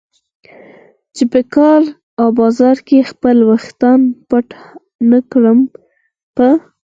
چې په کار او بازار کې خپل ویښتان پټ نه کړم. په